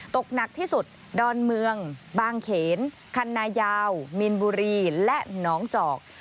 ตกหนักที่สุดดอนเมืองบางเขนคันนายาวมีนบุรีและน้องจอก